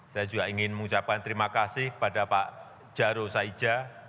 saya juga ingin mengucapkan terima kasih kepada pak jaro saija